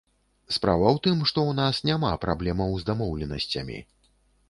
Справа ў тым, што ў нас няма праблемаў з дамоўленасцямі.